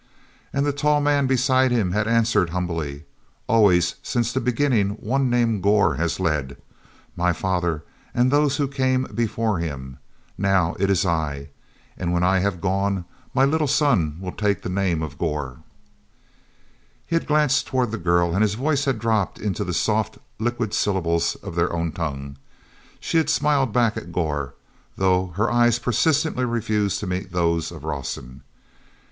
And the tall man beside him had answered humbly: "Always since the beginning one named Gor has led. My father, and those who came before him; now it is I. And when I have gone, my little son will take the name of Gor." He had glanced toward the girl and his voice had dropped into the soft, liquid syllables of their own tongue. She had smiled back at Gor, though her eyes persistently refused to meet those of Rawson.